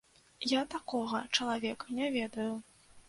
Я такога чалавека не ведаю.